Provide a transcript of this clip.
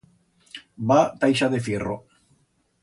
Va ta ixa de fierro.